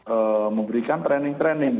ee memberikan training training